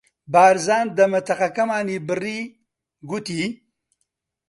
بارزان دەمەتەقەکەمانی بڕی، گوتی: